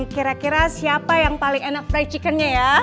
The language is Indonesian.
kira kira siapa yang paling enak free chickennya ya